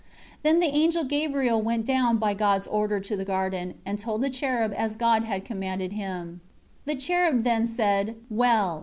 2 Then the angel Gabriel went down by God's order to the garden, and told the cherub as God had commanded him. 3 The cherub then said, "Well."